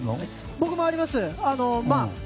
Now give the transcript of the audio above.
僕もあります。